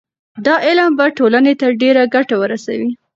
دا علم به ټولنې ته ډېره ګټه ورسوي.